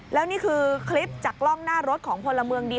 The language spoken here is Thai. แล้วนี่คือคลิปจากกล้องหน้ารถของพลเมืองดี